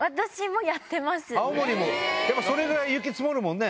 青森もそれぐらい雪積もるもんね。